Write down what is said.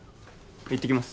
行ってきます